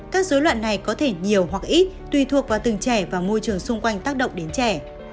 các dối loạn này có thể nhiều hoặc ít tùy thuộc vào từng trẻ và môi trường xung quanh tác động đến trẻ